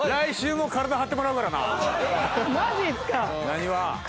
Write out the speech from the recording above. なにわ。